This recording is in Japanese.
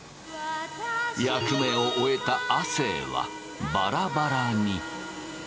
役目を終えた亜生はバラバラに。